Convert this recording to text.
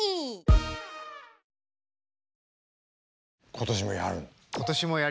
今年もやる？